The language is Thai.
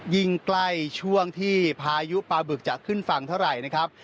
ยิ่งใกล้ช่วงที่พายุปลาบึกจะขึ้นฝั่งเท่าไหร่นะครับ